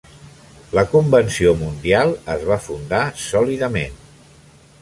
La convenció mundial es va fundar sòlidament.